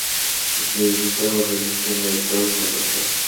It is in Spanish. Se disputaron bajo el sistema de todos contra todos.